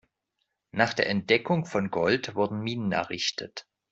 Nach der Entdeckung von Gold wurden Minen errichtet.